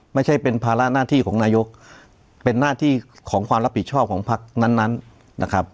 ไม่ใช่เป็นภาระหน้าที่ของนายกเป็นหน้าที่ของความรับผิดชอบของพักนั้นนะครับ